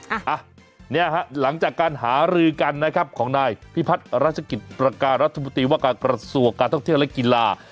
อ่ะเนี่ยฮะหลังจากการหารือกันนะครับของนายพิพัฒน์รัชกิจประการรัฐมนตรีว่าการกระทรวงการท่องเที่ยวและกีฬา